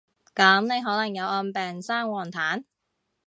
噉你可能有暗病生黃疸？